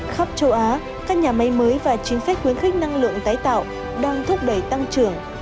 khắp châu á các nhà máy mới và chính sách khuyến khích năng lượng tái tạo đang thúc đẩy tăng trưởng